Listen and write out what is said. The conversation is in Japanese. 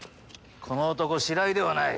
この男白井ではない。